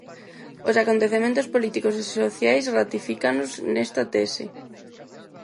Os acontecementos políticos e sociais ratifícannos nesta tese.